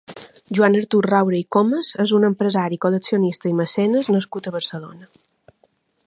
Joan-Artur Roura i Comas és un empresari, col·leccionista i mecenes nascut a Barcelona.